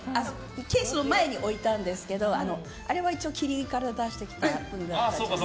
ケースの前に置いたんですけどあれは一応、桐から出してきた。